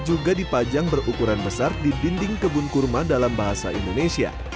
juga dipajang berukuran besar di dinding kebun kurma dalam bahasa indonesia